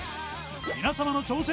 皆様の挑戦